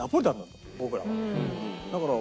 だから。